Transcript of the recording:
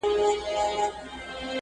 پرته له جنګه نور نکلونه لرې؟!